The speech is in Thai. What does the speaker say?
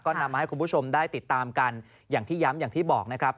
นำมาให้คุณผู้ชมได้ติดตามกันอย่างที่ย้ำอย่างที่บอกนะครับ